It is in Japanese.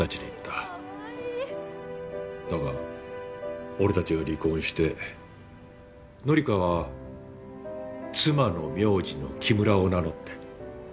（可だが俺たちが離婚して乃理花は妻の名字の木村を名乗って。